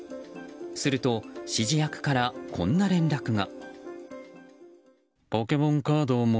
すると、指示役からこんな連絡が。